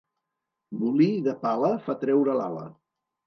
Molí de pala fa treure l'ala.